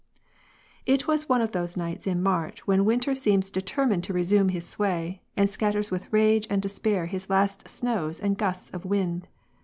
It was one of those nights in March when winter seems determined to resume his sway, and scatters with rage and despair his last snows and gusts of wind.